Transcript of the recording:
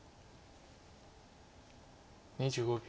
２５秒。